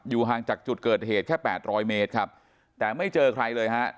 ห่างจากจุดเกิดเหตุแค่แปดร้อยเมตรครับแต่ไม่เจอใครเลยฮะ